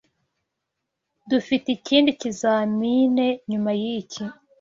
Dufite ikindi kizamini nyuma yiki.